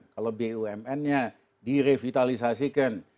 kalau bumn nya direvitalisasikan